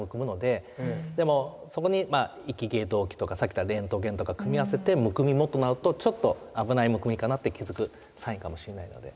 でもそこに息切れ動悸とかさっき言ったレントゲンとか組み合わせてむくみもとなるとちょっと危ないむくみかなって気づくサインかもしれないので。